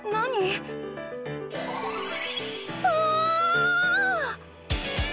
うわ！